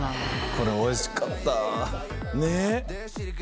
これおいしかった！ねぇ！